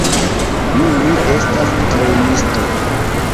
Nun li estas trejnisto.